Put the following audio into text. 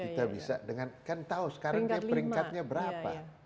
kita bisa dengan kan tahu sekarang dia peringkatnya berapa